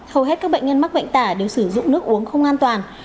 hầu hết các bệnh nhân mắc bệnh tả đều sử dụng nước uống không an toàn